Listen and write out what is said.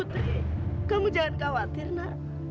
putri kamu jangan khawatir nak